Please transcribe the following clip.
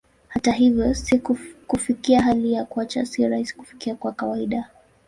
Hata hivyo, kufikia hali ya kuacha sio rahisi kufikia kwa kawaida.